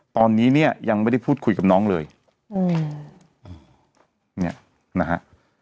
ตอนนี้เนี่ยยังไม่ได้พูดคุยกับน้องเลยอืมเนี่ยนะฮะ